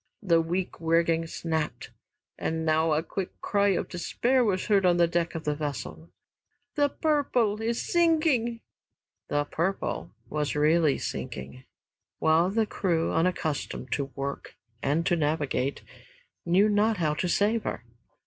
The weak rigging snapped, and now a quick cry of despair was heard on the deck of that vessel. "'The Purple' is sinking!" "The Purple" was really sinking, while the crew, unaccustomed to work and to navigate, knew not how to save her.